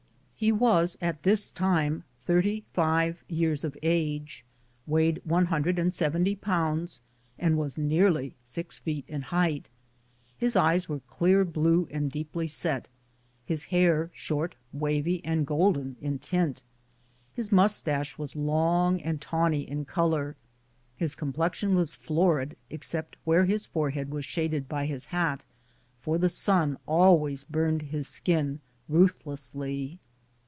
He was at this time thirty five years of age, weighed one hundred and seventy pounds, and was nearly six feet in height. His eyes were clear blue and deeply set, his hair short, wavy, and golden in tint. His mustache 108 BOOTS AND SADDLES. was long and tawny in color ; his complexion was florid, except where his forehead was shaded by his hat, for the sun always burned his skin ruthlessly.